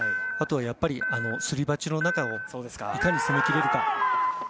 あとはやっぱりすり鉢の中をいかに攻めきれるか。